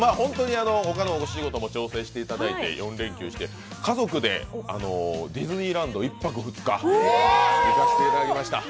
他のお仕事も調整して４連休して、家族でディズニーランド１泊２日行かせていただきました。